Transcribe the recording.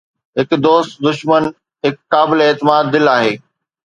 هڪ دوست دشمن هڪ قابل اعتماد دل آهي